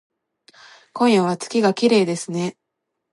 今夜は月がきれいですね